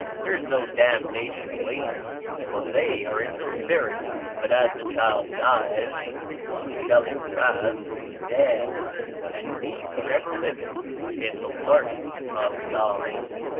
There is no damnation awaits them, for they are in the spirit. But as the child dies, so shall it rise from the dead, and be for ever living in the learning of God.